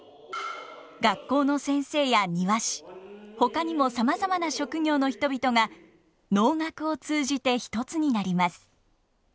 学校の先生や庭師ほかにもさまざまな職業の人々が能楽を通じて一つになります。